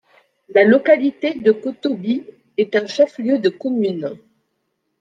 La localité de Kotobi est un chef-lieu de commune.